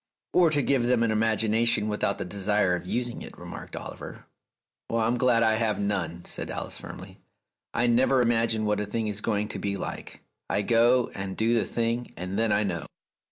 "Or to give them an imagination without the desire of using it," remarked Oliver. "I'm glad I have none," said Alice firmly. "I never imagine what a thing is going to be like. I go and do the thing, and then I know."